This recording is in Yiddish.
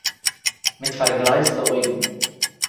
מיט פארגלייזטע אויגן